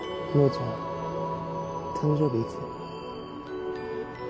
萌ちゃん誕生日いつ？